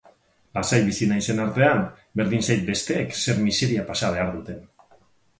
Lasai bizi naizen artean, berdin zait besteek zer miseria pasa behar duten